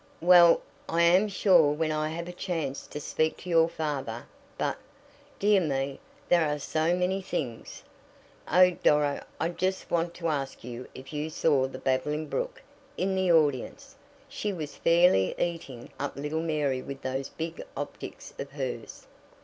"Well, I am sure when I have a chance to speak to your father but, dear me, there are so many things!" "Oh, Doro, I just want to ask you if you saw the 'Babbling Brook' in the audience? She was fairly eating up little Mary with those big optics of hers."